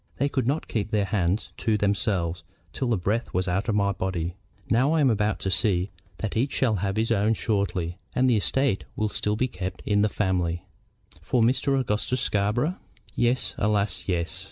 They could not keep their hands to themselves till the breath was out of my body. Now I am about to see that each shall have his own shortly, and the estate will still be kept in the family." "For Mr. Augustus Scarborough?" "Yes, alas, yes!